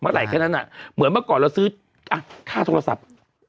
อะไรแค่นั้นเหมือนเมื่อก่อนเราซื้อค่าโทรศัพท์